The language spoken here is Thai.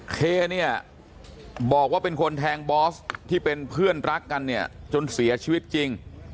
เคเนี่ยบอกว่าเป็นคนแทงบอสที่เป็นเพื่อนรักกันเนี่ยจนเสียชีวิตจริง